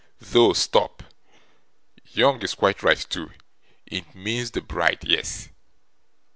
Though stop young is quite right too it means the bride yes.